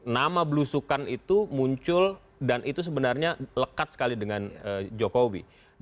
nama belusukan itu muncul dan itu sebenarnya lekat sekali dengan jokowi